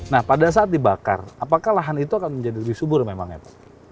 nah pada saat dibakar apakah lahan itu akan menjadi lebih subur memang ya pak